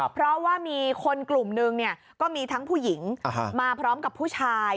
เพราะว่ามีคนกลุ่มนึงก็มีทั้งผู้หญิงมาพร้อมกับผู้ชาย